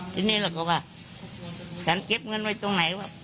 ทีนี้เราก็ว่าฉันเก็บเงินไว้ตรงไหนว่า